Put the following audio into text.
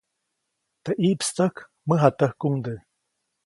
Teʼ ʼiʼpstäjk, mäjatäjkuŋde.